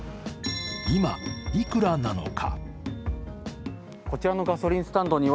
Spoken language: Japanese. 今、いくらなのか？